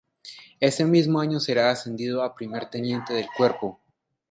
Ese mismo año será ascendido a Primer Teniente del cuerpo.